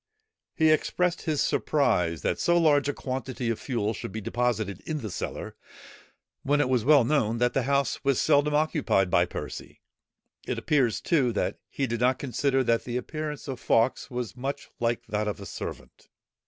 He expressed his surprise that so large a quantity of fuel should be deposited in the cellar, when it was well known, that the house was seldom occupied by Percy. It appears, too, that he did not consider that the appearance of Fawkes was much like that of a servant.